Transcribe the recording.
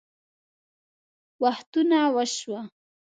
وختونه وشوه